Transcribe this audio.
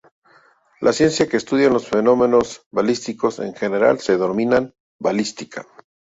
La ciencia que estudia los fenómenos balísticos en general se denomina balística.